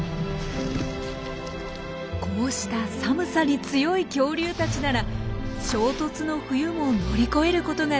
こうした寒さに強い恐竜たちなら「衝突の冬」も乗り越えることができたのではないかというんです。